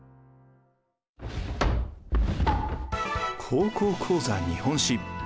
「高校講座日本史」。